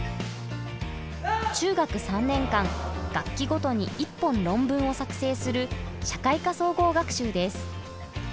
中学３年間学期ごとに一本論文を作成する社会科総合学習です。